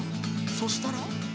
そしたら。